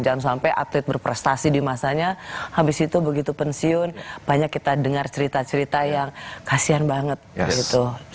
jangan sampai atlet berprestasi di masanya habis itu begitu pensiun banyak kita dengar cerita cerita yang kasian banget gitu